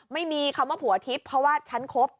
ไม่มีคำว่าผัวทิพย์เพราะว่าฉันคบ